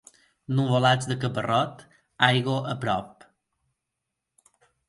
Nuvolats de caparrot, aigua a prop.